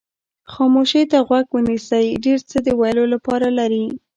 خاموشۍ ته غوږ ونیسئ ډېر څه د ویلو لپاره لري.